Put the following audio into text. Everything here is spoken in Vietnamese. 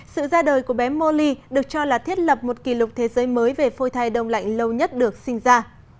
sự ra đời của bé moli được cho là thiết lập một kỷ lục thế giới mới về phôi thai đông lạnh lâu nhất được sinh ra